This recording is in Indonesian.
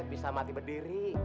bisa mati berdiri